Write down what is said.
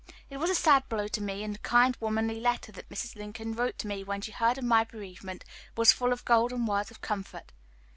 It was a sad blow to me, and the kind womanly letter that Mrs. Lincoln wrote to me when she heard of my bereavement was full of golden words of comfort.